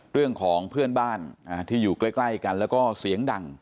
เรื่องของเพื่อนบ้านที่อยู่ใกล้กันแล้วก็เสียงดัง